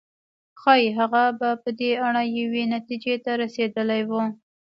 ښايي هغه به په دې اړه یوې نتيجې ته رسېدلی و.